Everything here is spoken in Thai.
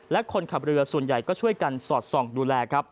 และคนขับเรือส่วนใหญ่ก็ช่วยกันสอดส่องดูแลครับ